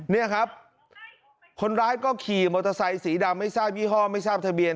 นี่ครับคนร้ายก็ขี่มอเตอร์ไซสีดำไม่ทราบยี่ห้อไม่ทราบทะเบียน